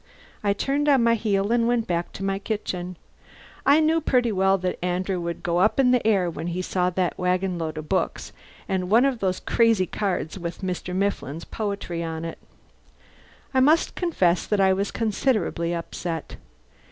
I turned on my heel and went back to the kitchen. I knew pretty well that Andrew would go up in the air when he saw that wagonload of books and one of those crazy cards with Mr. Mifflin's poetry on it. I must confess that I was considerably upset.